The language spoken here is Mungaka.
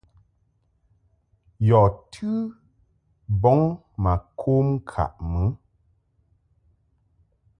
Yɔ̀ tɨ bɔŋ mà kom ŋkàʼ mɨ.